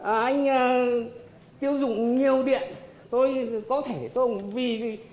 anh sử dụng nhiều điện anh phá hủy môi trường tôi cộng thuế vào anh thuế môi trường